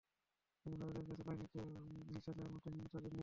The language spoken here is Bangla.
কিন্তু ভারতের কাছে পানি ন্যায্য হিস্যা চাওয়ার মতো হিম্মত তাদের নেই।